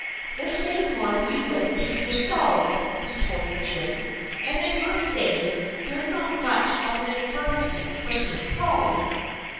"The same one you went to yourselves," re torted Jim. " And I must say, you're not much of an advertisement for St. Paul's."